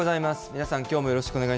皆さん、きょうもよろしくお願い